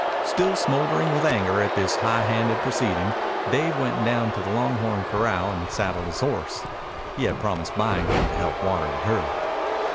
Still smouldering with anger at this high handed proceeding, Dave went down to the Longhorn Corral and saddled his horse. He had promised Byington to help water the herd.